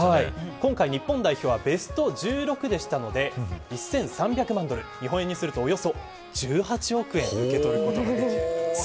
今回、日本代表はベスト１６だったので１３００万ドル日本円でおよそ１８億円を受け取ることができます。